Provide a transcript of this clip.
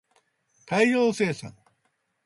大量生産